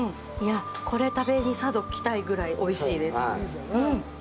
これ食べに佐渡来たいぐらいおいしいです。